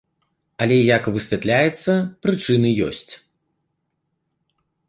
Але як высвятляецца, прычыны ёсць.